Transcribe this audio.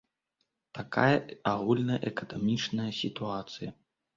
Такая агульная эканамічная сітуацыя.